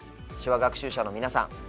手話学習者の皆さん